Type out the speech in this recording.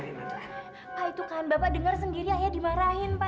pak itu kan bapak dengar sendiri ayah dimarahin pak